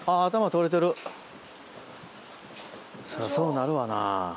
そらそうなるわな。